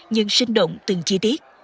nhưng sinh động từng chi tiết